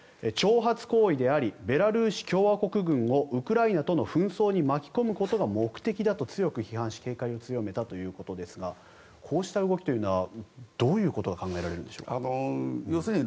挑発行為でありベラルーシ共和国軍をウクライナとの紛争に巻き込むことが目的だと強く批判し警戒を強めたということですがこうした動きというのはどういうことが考えられるんでしょう。